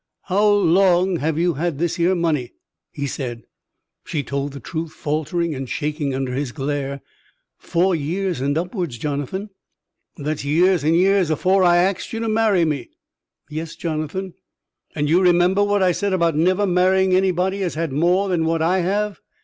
"How long have you had this here money?" he said. She told the truth, faltering and shaking under his glare. "Four years and upwards, Jonathan." "That's years and years afore I axed you to marry me?" "Yes, Jonathan." "And you remember what I said about never marrying anybody as had more than what I have?"